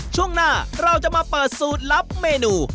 ช่วงหน้าเราจะมาเปิดสูตรลับเมนู